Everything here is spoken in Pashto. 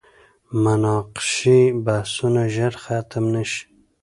مناقشې بحثونه ژر ختم نه شي.